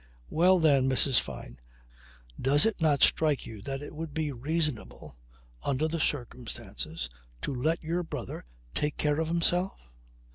"Well, then, Mrs. Fyne, does it not strike you that it would be reasonable under the circumstances to let your brother take care of himself?"